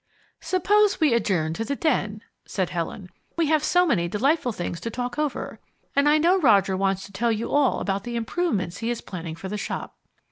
"Suppose we adjourn to the den," said Helen. "We have so many delightful things to talk over, and I know Roger wants to tell you all about the improvements he is planning for the shop."